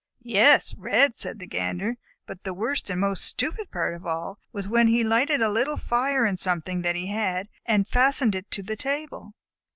"Yes, red," said the Gander. "But the worst and most stupid part of it all was when he lighted a little fire in something that he had and fastened it onto the table."